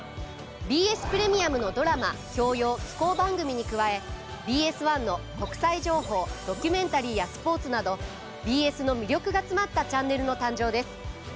ＢＳプレミアムのドラマ教養紀行番組に加えＢＳ１の国際情報ドキュメンタリーやスポーツなどＢＳの魅力が詰まったチャンネルの誕生です。